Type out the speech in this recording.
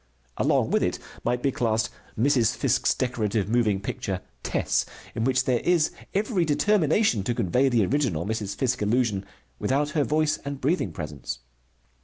Along with it might be classed Mrs. Fiske's decorative moving picture Tess, in which there is every determination to convey the original Mrs. Fiske illusion without her voice and breathing presence.